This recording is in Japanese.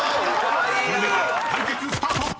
［それでは対決スタート！］